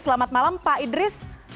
selamat malam pak idris